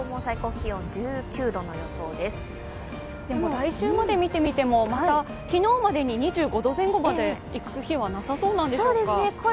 来週まで見てみても、昨日までに２５度前後までいく日はなさそうですか？